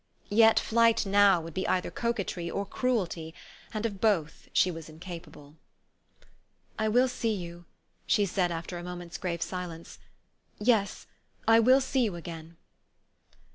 Yet flight now would be either coquetry or cruelty, and of both she was incapable." " I will see you," she said after a moment's grave silence " yes, I will see you again."